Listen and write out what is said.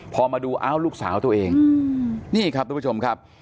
พอมาดูอ้าวลูกสาวตัวเองนี่ครับทุกผู้ชมครับ